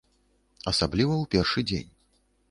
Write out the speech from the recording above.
Асабліва ў першы дзень.